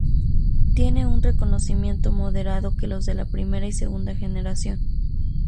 Tienen un reconocimiento moderado que los de la primera y segunda generación.